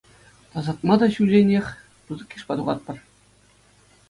Тасатма та ҫулленех пысӑк йышпа тухатпӑр.